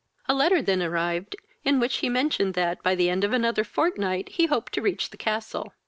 A letter than arrived, in which he mentioned, that, by the end of another fortnight, he hoped to reach the castle.